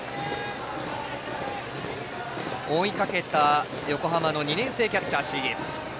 追いかけた横浜の２年生キャッチャー、椎木。